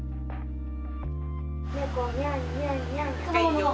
・猫にゃんにゃんにゃん。